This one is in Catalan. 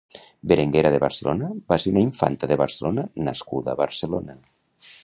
Berenguera de Barcelona va ser una infanta de Barcelona nascuda a Barcelona.